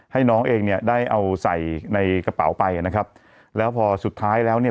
ให้น้องเองเนี่ยได้เอาใส่ในกระเป๋าไปนะครับแล้วพอสุดท้ายแล้วเนี่ย